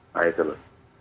nah itu lho